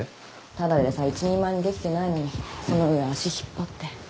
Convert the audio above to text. ただでさえ一人前にできてないのにその上足引っ張って。